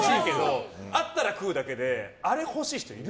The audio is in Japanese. あったら食うだけであれ欲しい人いる？